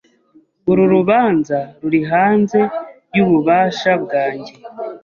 Uru rubanza ruri hanze yububasha bwanjye.